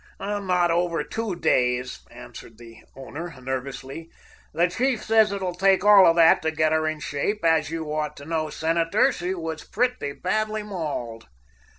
"Not over two days," answered the owner nervously. "The chief says it will take all of that to get her in shape. As you ought to know, Senator, she was pretty badly mauled."